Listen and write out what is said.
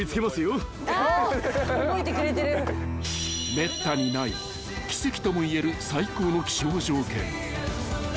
［めったにない奇跡とも言える最高の気象条件］